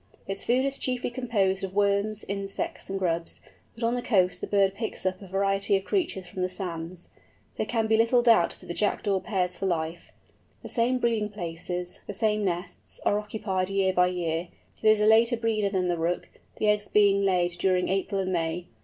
Its food is chiefly composed of worms, insects, and grubs; but on the coast the bird picks up a variety of creatures from the sands. There can be little doubt that the Jackdaw pairs for life. The same breeding places, the same nests, are occupied year by year. It is a later breeder than the Rook, the eggs being laid during April and May.